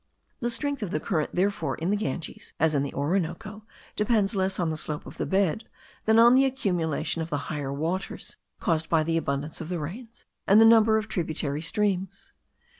The strength of the current, therefore, in the Ganges as in the Orinoco, depends less on the slope of the bed, than on the accumulation of the higher waters, caused by the abundance of the rains, and the number of tributary streams.